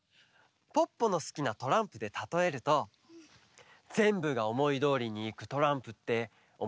ポッポのすきなトランプでたとえるとぜんぶがおもいどおりにいくトランプっておもしろくないでしょ？